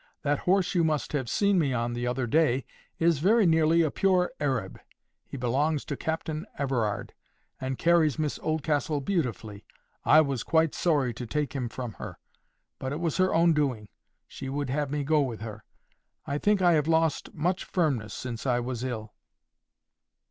That horse you must have seen me on the other day, is very nearly a pure Arab. He belongs to Captain Everard, and carries Miss Oldcastle beautifully. I was quite sorry to take him from her, but it was her own doing. She would have me go with her. I think I have lost much firmness since I was ill."